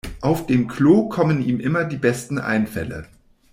Auf dem Klo kommen ihm immer die besten Einfälle.